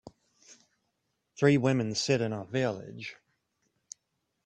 Three women sit in a village.